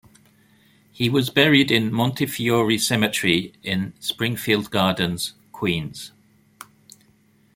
He was buried in Montefiore Cemetery in Springfield Gardens, Queens.